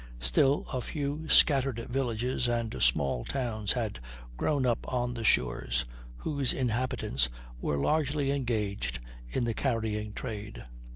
Still a few scattered villages and small towns had grown up on the shores, whose inhabitants were largely engaged in the carrying trade.